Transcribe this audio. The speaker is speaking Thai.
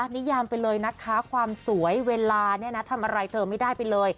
นัดค้าความสวยเวลาเนี่ยนะทำอะไรเธอไม่ได้ไปเลย